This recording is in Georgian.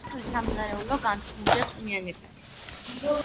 ქართლის სამზარეულო განთქმულია წვნიანებით